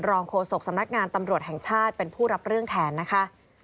โฆษกสำนักงานตำรวจแห่งชาติเป็นผู้รับเรื่องแทนนะคะ